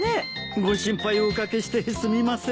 ご心配お掛けしてすみません。